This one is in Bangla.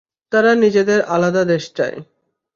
তারা নিজেদের আলাদা দেশ চায়।